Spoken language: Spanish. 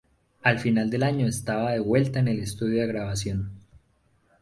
Al final del año estaba de vuelta en el estudio de grabación.